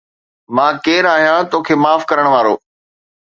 مان ڪير آهيان توکي معاف ڪرڻ وارو؟